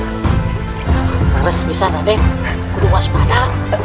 harus bisa rade kudu waspada